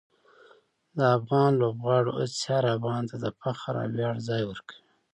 د افغان لوبغاړو هڅې هر افغان ته د فخر او ویاړ ځای ورکوي.